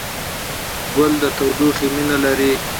ګل د تودوخې مینه لري.